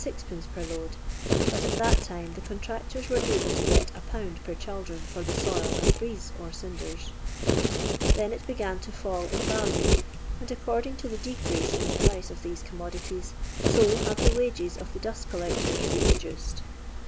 6eL per load ; but at that time the contractors were able to get 1^ per chaldron for the soil and " brieze " or cinders ; then it began to fall in value, and aecording to the decrease in the price of these commodities, so have the wages of the dust collectors been reduced.